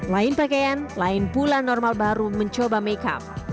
lain pakaian lain pula normal baru mencoba make up